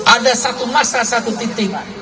ada satu masalah satu titik